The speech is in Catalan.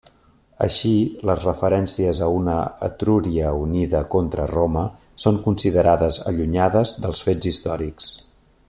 Així, les referències a una Etrúria unida contra Roma són considerades allunyades dels fets històrics.